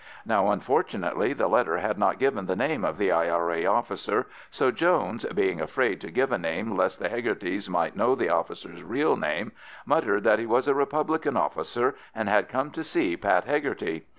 Now, unfortunately, the letter had not given the name of the I.R.A. officer, so Jones, being afraid to give a name lest the Hegartys might know the officer's real name, muttered that he was a republican officer, and had come to see Pat Hegarty.